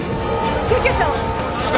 救急車を！